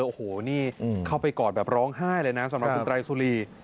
โอ้โหนี่เข้าไปกอดแบบร้องไห้เลยนะสำหรับคุณไตรสุรี